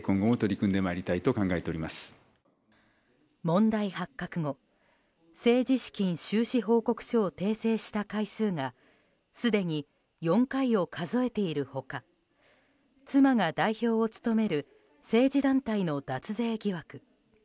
問題発覚後政治資金収支報告書を訂正した回数がすでに４回を数えている他妻が代表を務める政治団体の脱税疑惑。